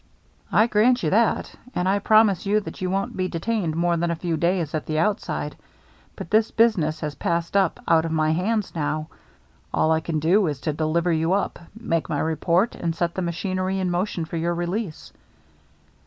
" I grant you that. And I can promise you that you won't be detained more than a few days at the outside. But this business has passed up out of my hands now. All I can do is to deliver you up, make my report, and set the machinery in motion for your release.